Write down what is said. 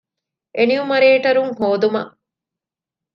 އެނިއުމަރޭޓަރުން ހޯދުމަށް